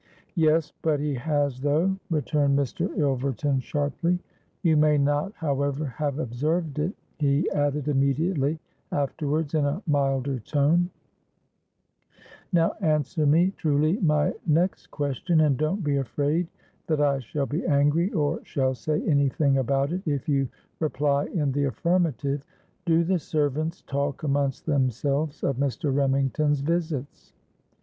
—'Yes, but he has though,' returned Mr. Ilverton sharply; 'you may not, however, have observed it,' he added immediately afterwards, in a milder tone: 'now answer me truly my next question; and don't be afraid that I shall be angry, or shall say any thing about it if you reply in the affirmative. Do the servants talk amongst themselves of Mr. Remington's visits?'